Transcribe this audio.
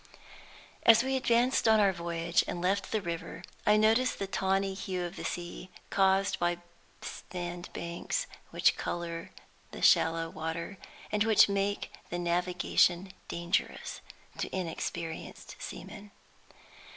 As we advanced on our voyage, and left the river, I noticed the tawny hue of the sea, caused by sand banks which color the shallow water, and which make the navigation dangerous to inexperienced seamen.